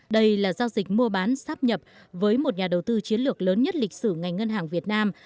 đây là giao dịch mua bán sắp nhập với một nhà đầu tư chiến lược lớn nhất lịch sử ngành ngân hàng việt nam